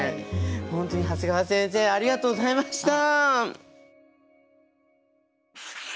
本当に長谷川先生ありがとうございました！